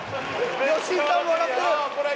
吉井さんも笑ってる！